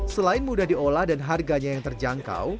selain mudah diolah dan harganya yang terjangkau